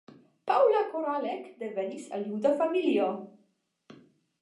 Paula Koralek devenis el juda familio.